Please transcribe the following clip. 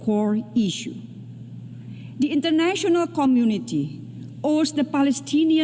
komunitas internasional memiliki orang orang palestina